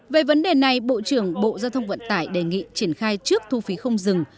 về vấn đề này bộ trưởng bộ giao thông vận tải đề nghị triển khai trước thu phí không dừng